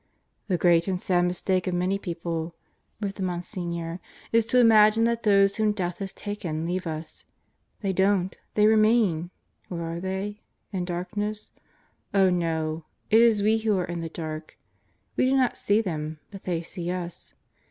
"The great and sad mistake of many people," wrote the Monsignor, "is to imagine that those whom death has taken, leave us. They don't. They remain! Where are they? In darkness? Oh, no! It is we who are in the dark. We do not see them, but they see us.